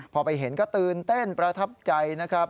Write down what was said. พอไปเห็นก็ตื่นเต้นประทับใจนะครับ